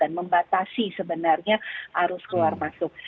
dan membatasi sebenarnya arus keluar masuk